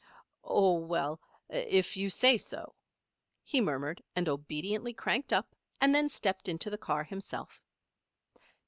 "Oh well if you say so," he murmured, and obediently cranked up and then stepped into the car himself.